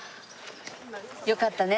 よかったね。